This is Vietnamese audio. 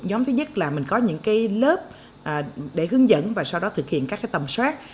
nhóm thứ nhất là mình có những lớp để hướng dẫn và sau đó thực hiện các tầm soát